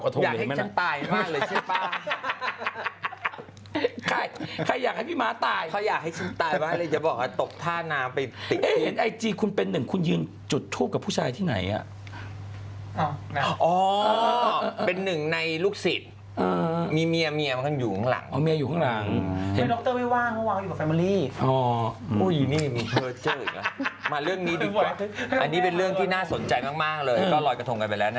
ถ้าไปขำเค้าต้องช่วยกับมีช่วยอะไรมายังไม่ได้